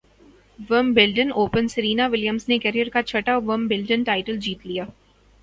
Wimbledon open Serena ولیمزنےکیرئیر کا چھٹا ومبلڈن ٹائٹل جیت لیا